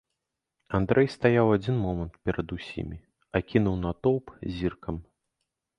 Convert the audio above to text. Андрэй стаяў адзін момант перад усімі, акінуў натоўп зіркам.